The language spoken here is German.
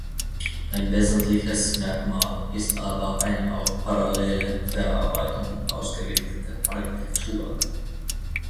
Ein wesentliches Merkmal ist aber eine auf parallele Verarbeitung ausgerichtete Architektur.